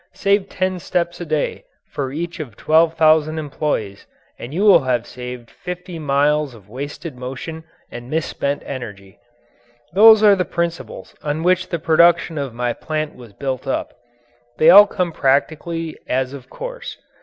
Save ten steps a day for each of twelve thousand employees and you will have saved fifty miles of wasted motion and misspent energy. Those are the principles on which the production of my plant was built up. They all come practically as of course.